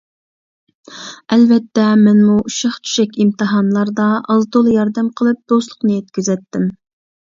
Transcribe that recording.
ئەلۋەتتە مەنمۇ ئۇششاق-چۈششەك ئىمتىھانلاردا ئاز-تولا ياردەم قىلىپ دوستلۇقنى يەتكۈزەتتىم.